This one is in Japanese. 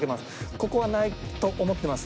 ここはないと思ってます。